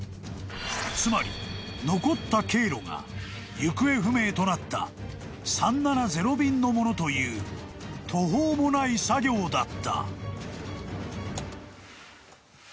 ［つまり残った経路が行方不明となった３７０便のものという途方もない作業だった］